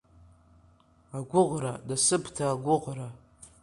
Агәыӷра насыԥда, агәыӷра…